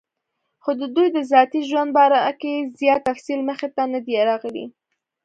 خو دَدوي دَذاتي ژوند باره کې زيات تفصيل مخې ته نۀ دی راغلی